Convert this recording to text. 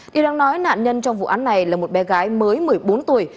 điều đang nói nạn nhân trong vụ án này là một bé gái mới một mươi bốn tuổi